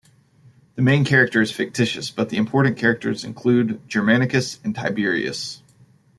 The main character is fictitious, but the important characters include Germanicus, and Tiberius.